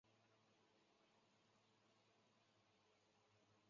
学者对于为何石狮子摆法不同于传统男左女右的摆法有三种推论。